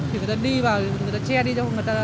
thì người ta đi vào người ta che đi